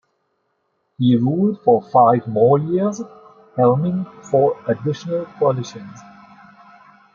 He ruled for five more years, helming four additional coalitions.